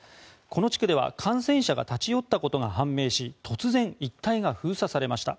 この地区では感染者が立ち寄ったことが判明し突然、一帯が封鎖されました。